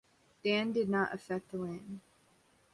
Dan did not affect land.